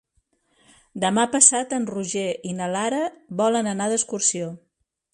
Demà passat en Roger i na Lara volen anar d'excursió.